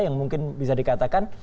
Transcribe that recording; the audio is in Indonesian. yang mungkin bisa dikatakan